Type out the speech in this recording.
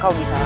kau bisa rasa